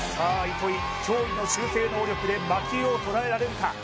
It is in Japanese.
糸井驚異の修正能力で魔球をとらえられるか？